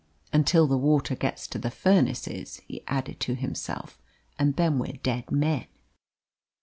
"Until the water gets to the furnaces," he added to himself, "and then we're dead men."